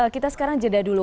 kita sekarang jeda dulu